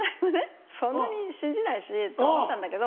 そんなに信じないしと思ったんだけど。